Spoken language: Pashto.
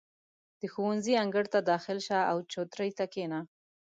• د ښوونځي انګړ ته داخل شه، او چوترې ته کښېنه.